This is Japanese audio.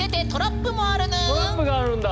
トラップがあるんだ。